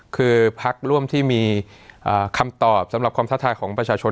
คือพักร่วมที่มีคำตอบสำหรับความท้าทายของประชาชน